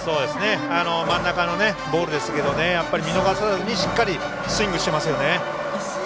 真ん中のボールですけどね見逃さずにしっかりスイングしてますよね。